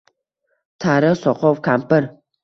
Tarix — soqov kampir